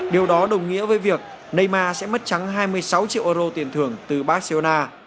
điều đó đồng nghĩa với việc nâyma sẽ mất trắng hai mươi sáu triệu euro tiền thưởng từ barcelona